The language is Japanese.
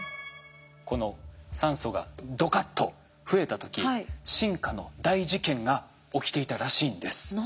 この酸素がドカッと増えた時進化の大事件が起きていたらしいんです。